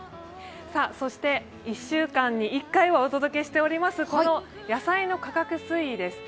そして１週間に１回はお届けしています、この野菜の価格推移です。